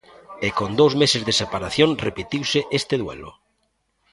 E con dous meses de separación repetiuse este duelo.